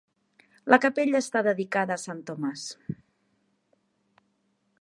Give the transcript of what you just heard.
La capella està dedicada a Sant Tomàs.